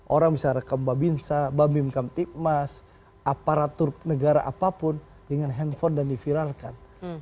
orang bisa merekam babinsa babim kamtipmas aparatur negara apapun dengan handphone dan difiralkan